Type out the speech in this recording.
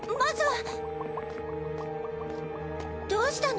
どうしたの？